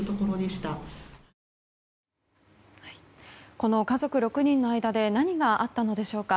この家族６人の間で何があったのでしょうか。